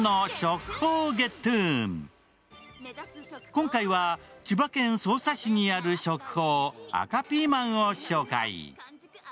今回は千葉県匝瑳市にある食宝、赤ピーマンを紹介。